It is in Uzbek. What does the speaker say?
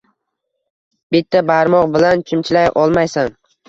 Bitta barmoq bilan chimchilay olmaysan